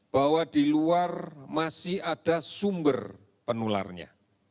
bahwa di luar masih ada sumber penularnya